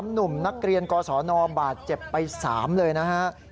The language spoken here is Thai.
หนุ่มนักเรียนกศนบาดเจ็บไป๓เลยนะฮะ